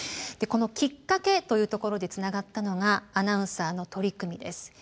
でこのきっかけというところでつながったのがアナウンサーの取り組みです。